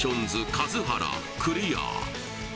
数原クリア